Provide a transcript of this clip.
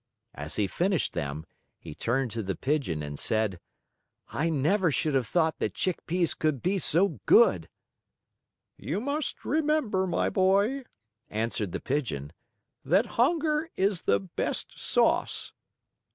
As he finished them, he turned to the Pigeon and said: "I never should have thought that chick peas could be so good!" "You must remember, my boy," answered the Pigeon, "that hunger is the best sauce!"